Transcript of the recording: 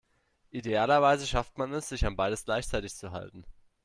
Idealerweise schafft man es, sich an beides gleichzeitig zu halten.